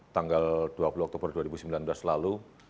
tanggal dua puluh oktober dua ribu sembilan belas lalu